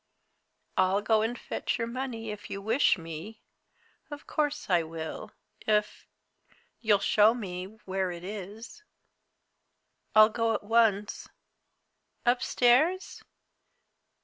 I'll go and fetch your money if you wish me of course I will, if you'll show me where it is. I'll go at once. Upstairs?